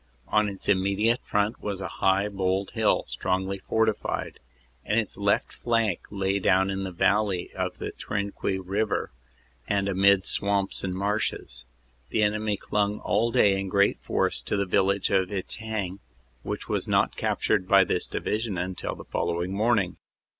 On its immediate front was a high bold hill strongly fortified, and its left flank lay down in the valley of the Trinquis river and amid swamps and marshes. The enemy clung all day in great force to the village of Etaing which was not captured by this Division until the following morning.